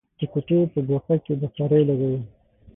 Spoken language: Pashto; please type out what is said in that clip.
د کوټې په ګوښه کې بخارۍ لګوو.